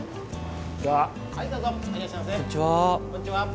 こんにちは。